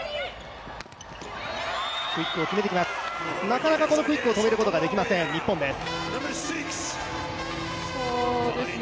なかなかこのクイックを止めることができません、日本です